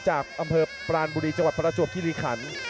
จากอำเภอปรานบุรีจังหวัดประจวบคิริขัน